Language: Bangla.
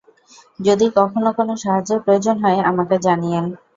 যদি কখনও কোনো সাহায্যের প্রয়োজন হয়, আমাকে জানিয়েন।